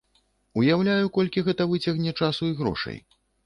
Уяўляю, колькі гэта выцягне часу і грошай.